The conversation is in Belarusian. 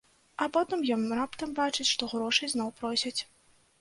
А потым ён раптам бачыць, што грошай зноў просяць.